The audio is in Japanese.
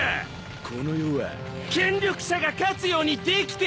この世は権力者が勝つようにできてんだよ！